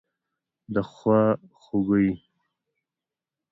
دخوا خوګۍ